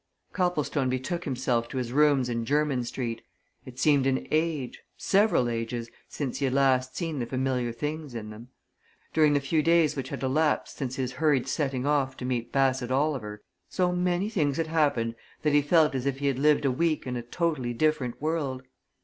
Copplestone betook himself to his rooms in Jermyn Street; it seemed an age several ages since he had last seen the familiar things in them. During the few days which had elapsed since his hurried setting off to meet Bassett Oliver so many things had happened that he felt as if he had lived a week in a totally different world.